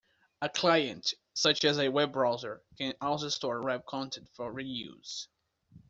A client, such as a web browser, can also store web content for reuse.